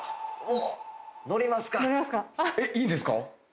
えっいいんですか？